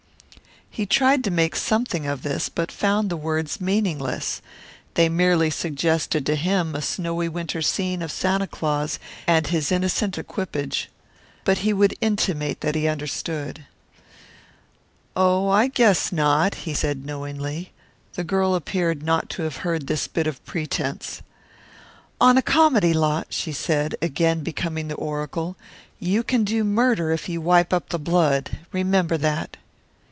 He tried to make something of this, but found the words meaningless. They merely suggested to him a snowy winter scene of Santa Claus and his innocent equipage. But he would intimate that he understood. "Oh, I guess not," he said knowingly. The girl appeared not to have heard this bit of pretense. "On a comedy lot," she said, again becoming the oracle, "you can do murder if you wipe up the blood. Remember that."